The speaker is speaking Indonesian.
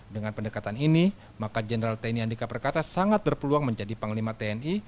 dengan pendekatan ini maka jenderal tni andika perkata sangat berpeluang menjadi panglima tni